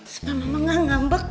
supaya mama gak ngambek